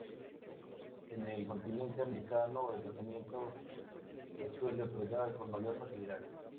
En el continente americano el tratamiento se suele otorgar con mayor facilidad.